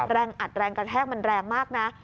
อัดแรงกระแทกมันแรงมากนะ